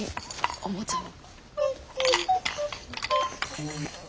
おもちゃも。